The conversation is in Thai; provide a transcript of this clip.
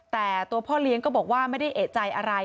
แต่ตัวพ่อเลี้ยงก็บอกว่าไม่ได้เอกใจอะไร